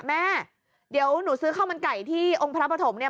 แม่เดี๋ยวหนูซื้อข้าวมันไก่ที่องค์พระปฐมเนี่ย